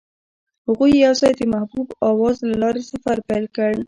هغوی یوځای د محبوب اواز له لارې سفر پیل کړ.